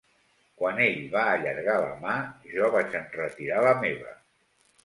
Quan ell va allargar la mà, jo vaig enretirar la meva.